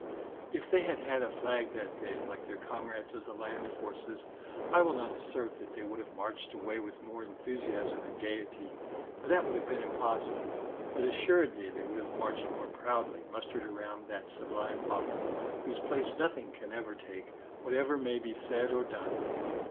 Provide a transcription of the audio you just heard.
If they had had a flag that day, like their comrades of the land forces, I will not assert that they would have marched away with more enthusiasm and gaiety, for that would have been impossible, but assuredly they would have marched more proudly, mustered around that sublime bauble, whose place nothing can ever take, whatever may be said or done.